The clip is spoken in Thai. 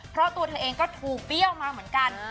เพราะตัวเธอเองก็ถูกเปรี้ยวมาเหมือนกัน